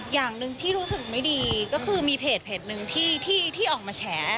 อย่างหนึ่งที่รู้สึกไม่ดีก็คือมีเพจหนึ่งที่ออกมาแฉ